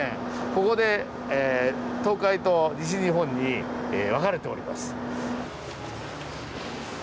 ここで東海と西日本に分かれております。